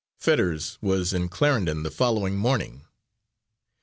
Fetters was in Clarendon the following morning.